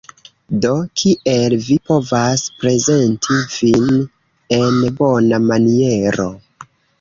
Do kiel vi povas prezenti vin en bona maniero